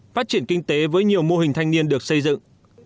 phát triển kinh tế với nhiều mô hình thanh niên được xây dựng